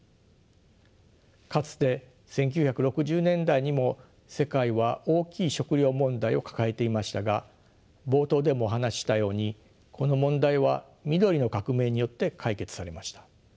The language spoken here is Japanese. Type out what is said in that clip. かつて１９６０年代にも世界は大きい食糧問題を抱えていましたが冒頭でもお話ししたようにこの問題は緑の革命によって解決されました。